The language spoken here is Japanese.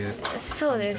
そうです。